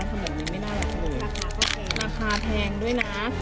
สำหรับนี้ไม่น่ารักเลยราคาแพงด้วยนะคะ